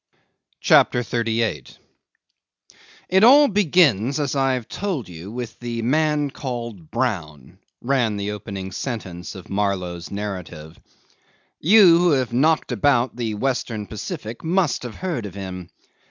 CHAPTER 38 'It all begins, as I've told you, with the man called Brown,' ran the opening sentence of Marlow's narrative. 'You who have knocked about the Western Pacific must have heard of him.